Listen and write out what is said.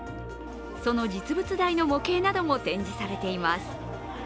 その実物大の模型なども展示されています。